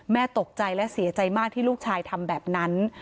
ตกใจและเสียใจมากที่ลูกชายทำแบบนั้น